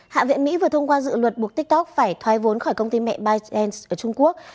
hạ viện mỹ vừa thông qua dự luật buộc tiktok phải thoái vốn khỏi công ty mẹ bytedance ở trung quốc